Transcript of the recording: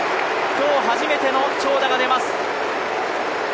今日初めての長打が出ます。